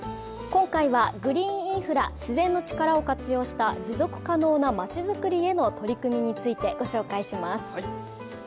今回はグリーンインフラ、自然の力を活用した持続可能な街づくりへの取り組みについて、ご紹介します。